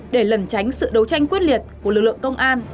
để lần tránh sự đấu tranh quyết liệt của lực lượng công an